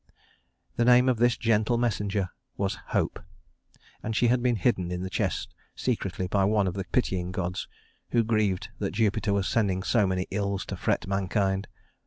The name of this gentle messenger was Hope; and she had been hidden in the chest secretly by one of the pitying gods, who grieved that Jupiter was sending so many ills to fret mankind.